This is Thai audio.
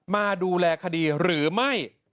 มาดูแลคดีหรือไม่